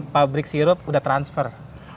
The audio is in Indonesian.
pabrik sirup udah transfer